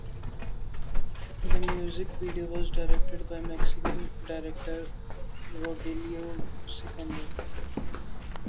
The music video was directed by Mexican director Rogelio Sikander.